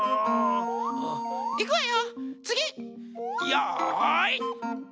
よい。